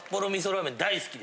大好き。